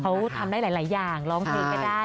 เขาทำได้หลายอย่างร้องเพลงก็ได้